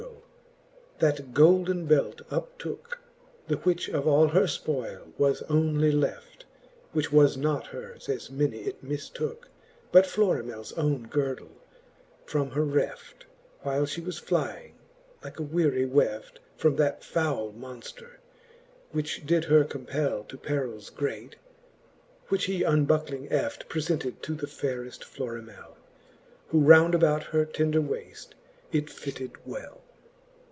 But Artegall that golden belt uptooke, The wh\ch of all her fpoyle was only left; Which was not hers, as many it miftooke» But FlorimelPs owne girdle,, from her reft, While fhe was flying, like a weary weft, From that faule monfter, which did her compcll To perils great ; which he unbuckling ^h^ Preiented to the fayreft Florimell '^ Who round about her tender waft it fitted well.